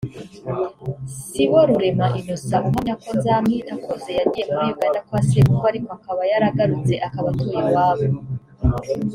Siborurema Innocent uhamya ko Nzamwitakuze yagiye muri Uganda kwa sebukwe ariko akaba yaragarutse akaba atuye iwabo